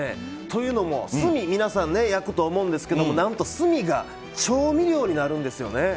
というのも炭、皆さん焼くと思うんですけど何と炭が調味料になるんですよね。